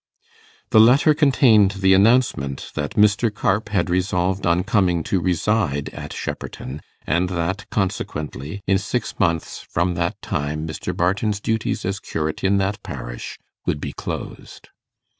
The letter contained the announcement that Mr. Carpe had resolved on coming to reside at Shepperton, and that, consequently, in six months from that time Mr. Barton's duties as curate in that parish would be closed.